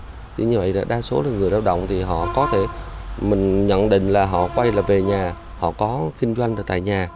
thế như vậy là đa số là người lao động thì họ có thể mình nhận định là họ quay là về nhà họ có kinh doanh là tại nhà